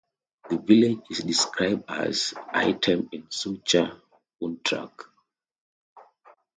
The village is described as "item in Sucha utraque".